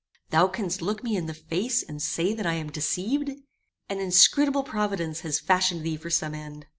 Thou canst look me in the face and say that I am deceived! An inscrutable providence has fashioned thee for some end.